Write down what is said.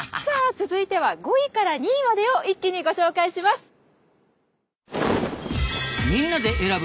さあ続いては５位から２位までを一気にご紹介します。